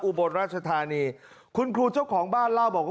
บลราชธานีคุณครูเจ้าของบ้านเล่าบอกว่า